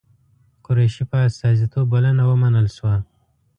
قریشي په استازیتوب بلنه ومنل شوه.